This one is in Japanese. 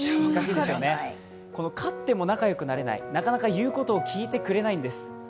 飼っても仲良くなれない、なかなか言うことを聞いてくれないんですね。